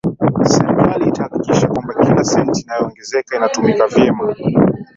Serikali itahakikisha kwamba kila senti inayoongezeka inatumika vyema